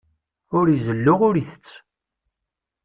Ur izellu, ur itett.